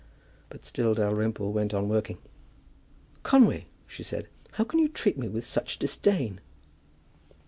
But still Dalrymple went on working. "Conway," she said, "how can you treat me with so much disdain?"